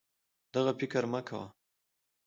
دغه فکر مه کوه